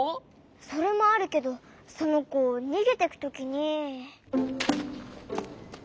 それもあるけどそのこにげてくときに。